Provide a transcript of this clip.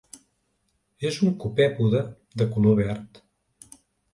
És un copèpode de color verd.